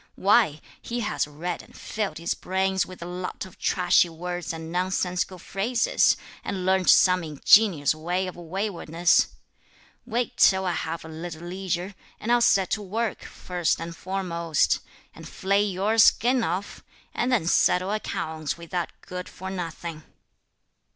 why, he has read and filled his brains with a lot of trashy words and nonsensical phrases, and learnt some ingenious way of waywardness. Wait till I have a little leisure, and I'll set to work, first and foremost, and flay your skin off, and then settle accounts with that good for nothing!"